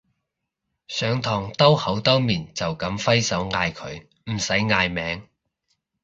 上堂兜口兜面就噉揮手嗌佢唔使嗌名